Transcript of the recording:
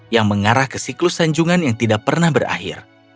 yang mengarah ke siklus sanjungan yang tidak pernah berakhir